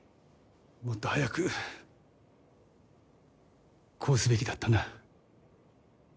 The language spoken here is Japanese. もっと早くこうすべきだったな。